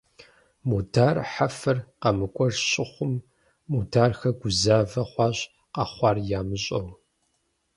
Мудар Хьэфэр къэмыкӀуэж щыхъум Мудархэ гузавэ хъуащ къэхъуар ямыщӀэу.